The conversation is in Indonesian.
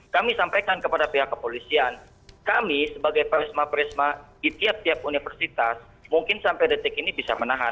kami sampaikan kepada pihak kepolisian kami sebagai parisma perisma di tiap tiap universitas mungkin sampai detik ini bisa menahan